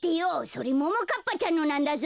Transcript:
それももかっぱちゃんのなんだぞ。